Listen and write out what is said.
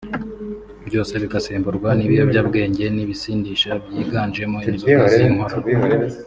byose bigasemburwa n’ibiyobyabwenge n’ibisindisha byiganjemo inzoga z’inkorano